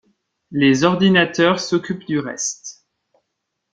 Les ordinateurs s'occupent du reste.